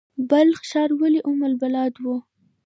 بلخ ښار ولې ام البلاد و؟